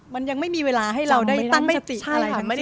มันยังไม่มีเวลาให้เราได้ตั้งสติอะไร